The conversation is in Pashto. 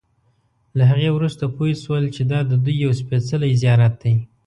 له هغې وروسته پوی شول چې دا ددوی یو سپېڅلی زیارت دی.